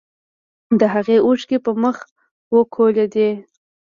د هغې اوښکې په مخ وکولېدلې.